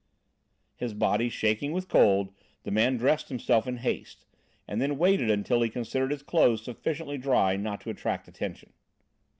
His body shaking with cold, the man dressed himself in haste, and then waited until he considered his clothes sufficiently dry not to attract attention.